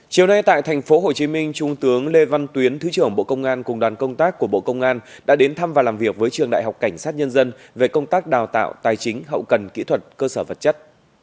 chiều nay tại tp hcm trung tướng lê văn tuyến thứ trưởng bộ công an cùng đoàn công tác của bộ công an đã đến thăm và làm việc với trường đại học cảnh sát nhân dân về công tác đào tạo tài chính hậu cần kỹ thuật cơ sở vật chất